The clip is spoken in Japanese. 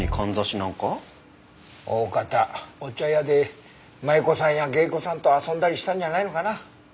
おおかたお茶屋で舞妓さんや芸妓さんと遊んだりしたんじゃないのかな？